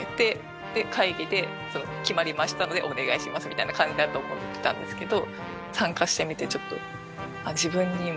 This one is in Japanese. みたいな感じだと思っていたんですけど。